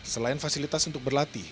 selain fasilitas untuk berlatih